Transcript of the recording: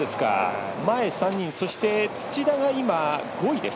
前３人、そして土田が５位です。